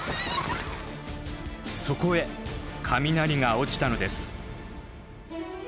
そこへ雷が落ちたのです。